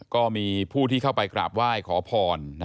ก็มีผู้ที่เข้าไปกราบไหว้ขอพร